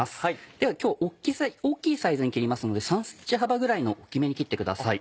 では今日大きいサイズに切りますので３ｃｍ幅ぐらいの大きめに切ってください。